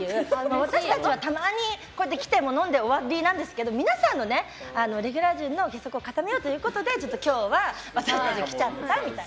私たちはたまにこうやって来て終わりなんですけど、皆さんレギュラー陣の結束を固めようとちょっと今日は私たち来ちゃった、みたいな。